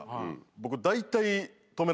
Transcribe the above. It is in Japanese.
僕。